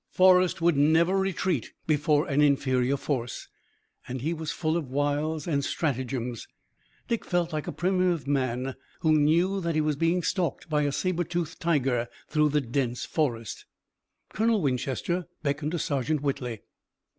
Forrest would never retreat before an inferior force, and he was full of wiles and stratagems. Dick felt like a primitive man who knew that he was being stalked by a saber toothed tiger through the dense forest. Colonel Winchester beckoned to Sergeant Whitley.